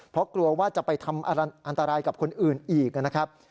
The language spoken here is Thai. เพราะกลัวว่าจะไปทำอันตรายกับคนอื่นอีกนะครับ